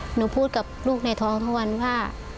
หนูพูดกับลูกในท้องทั้งวันว่า